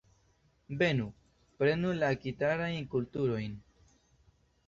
Venu, prenu la akiritajn kulturojn.